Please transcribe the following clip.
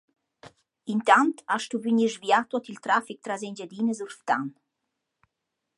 Intant ha stuvü gnir svià tuot il trafic tras Engiadina sur Ftan.